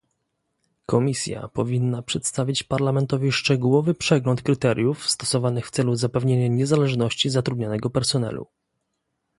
Komisja powinna przedstawić Parlamentowi szczegółowy przegląd kryteriów stosowanych w celu zapewnienia niezależności zatrudnianego personelu